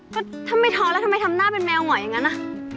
ก็ถ้าไม่ท้อแล้วทำไมทำหน้าเป็นแมวเหงอยอย่างนั้นนะ